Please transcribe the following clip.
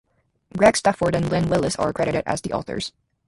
Greg Stafford and Lynn Willis are credited as the authors.